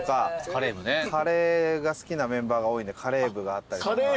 カレーが好きなメンバーが多いんでカレー部があったりとか。